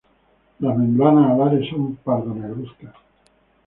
Las membranas alares son pardo-negruzcas.